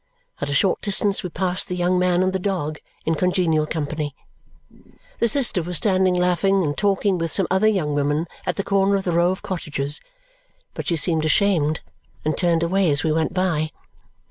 At a short distance, we passed the young man and the dog, in congenial company. The sister was standing laughing and talking with some other young women at the corner of the row of cottages, but she seemed ashamed and turned away as we went by.